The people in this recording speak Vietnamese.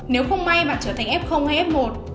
nếu không may bạn trở thành f hay f một